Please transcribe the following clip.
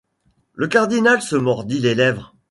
Le cardinal se mordit les lèvres.